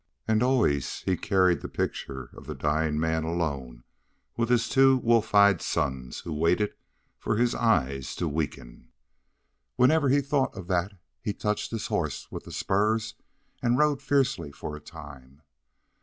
And always he carried the picture of the dying man alone with his two wolf eyed sons who waited for his eyes to weaken. Whenever he thought of that he touched his horse with the spurs and rode fiercely for a time.